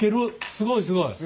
すごいすごい。